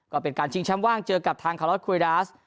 ก็เป็นการชิงแชมป์ว่างเจอกับทางคารอสควยดาส